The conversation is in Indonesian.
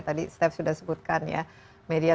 tadi step sudah sebutkan ya media